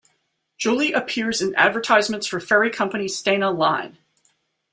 Joly appears in advertisements for ferry company Stena Line.